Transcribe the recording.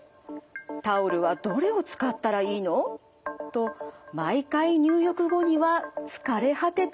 「タオルはどれを使ったらいいの？」と毎回入浴後には疲れ果てていたんです。